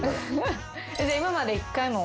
今まで１回も？